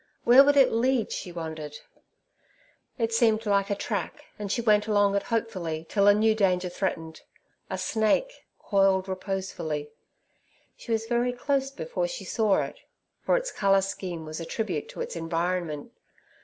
Where would it lead? she wondered. It seemed like a track, and she went along it hopefully till a new danger threatened—a snake, coiled reposefully; she was very close before she saw it, for its colour scheme was a tribute to its environment.